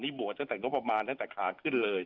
นี่บัวจะแต่งบประมาณจะแต่ขาขึ้นเลย